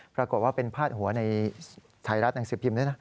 ปรากฏว่าเป็นพาดหัวในไทยรัฐหนังสือพิมพ์ด้วยนะ